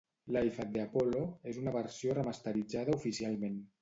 "Live at the Apollo" és una versió remasteritzada oficialment.